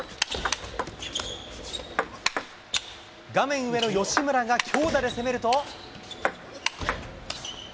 画面上の吉村が強打で攻めると。